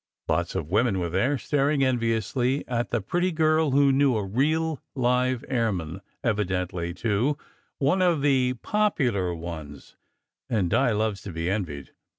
Lots of women were there, staring enviously at the pretty girl who knew a real, live airman evidently, too, one of the popular ones; and Di loves to be envied.